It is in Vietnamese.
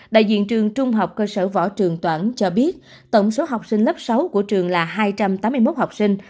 đại diện trường trung học cơ sở võ trường toản cho biết tổng số học sinh lớp sáu của trường là hai trăm tám mươi một học sinh